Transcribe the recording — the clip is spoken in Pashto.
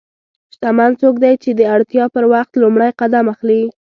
شتمن څوک دی چې د اړتیا پر وخت لومړی قدم اخلي.